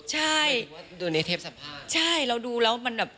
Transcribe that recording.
หรือว่าโดนแทปสัมภาษณ์